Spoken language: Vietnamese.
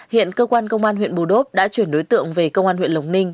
hiện cơ quan công an huyện bù đốp đã chuyển đối tượng về công an huyện lộc ninh